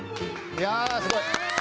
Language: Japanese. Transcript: いやすごい！